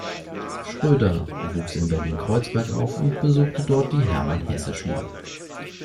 Schröder, wuchs in Berlin-Kreuzberg auf und besuchte dort die Hermann-Hesse-Schule.